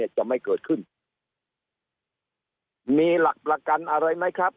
จะไม่เกิดขึ้นมีหลักประกันอะไรไหมครับ